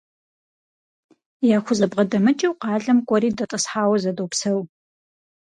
Яхузэбгъэдэмыкӏыу къалэм кӏуэри дэтӏысхьауэ зэдопсэу.